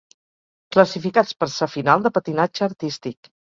Classificats per sa final de patinatge artístic.